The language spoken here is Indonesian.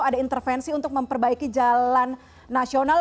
ada intervensi untuk memperbaiki jalan nasional